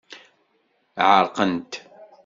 Ɛerqent.